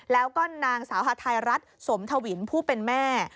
แล้วก็นางสาวฮาไทยรัฐสมทวินผู้เป็นแม่